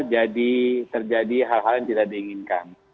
jadi terjadi hal hal yang tidak diinginkan